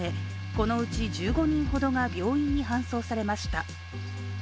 このうち１５人ほどが病院に搬送されました。